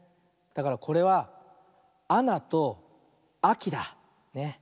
だからこれは「あな」と「あき」だ。ね。